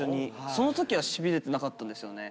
そのときはしびれてなかったんですよね。